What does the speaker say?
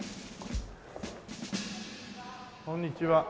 こんにちは。